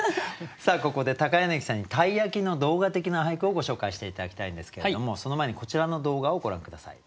さあここで柳さんに鯛焼の動画的な俳句をご紹介して頂きたいんですけれどもその前にこちらの動画をご覧下さい。